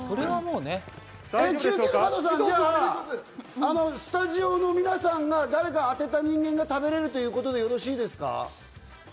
中継の加藤さん、じゃあスタジオの皆さんが誰か当てた人間が食べられるということでよろしいんですか？